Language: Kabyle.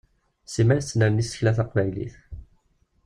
Simmal tettnerni tsekla taqnaylit.